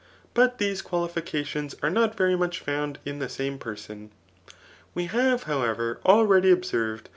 But these qualifications are not very much found in the same person. We have, however, already observec!